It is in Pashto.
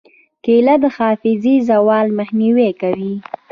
کېله د حافظې زوال مخنیوی کوي.